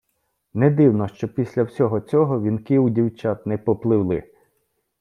Не дивно, що після всього цього вінки у дівчат не попливли.